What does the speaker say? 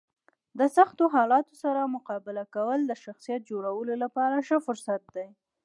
د سختو حالاتو سره مقابله کول د شخصیت جوړولو لپاره ښه فرصت دی.